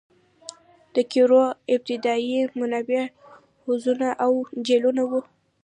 د قیرو ابتدايي منبع حوضونه او جهیلونه وو